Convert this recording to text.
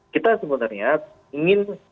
kita sebenarnya ingin